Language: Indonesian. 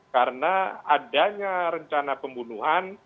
karena adanya rencana pembunuhan